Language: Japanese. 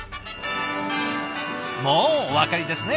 もうお分かりですね。